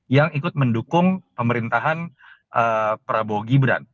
yang ikut mendukung pemerintahan prabowo gibran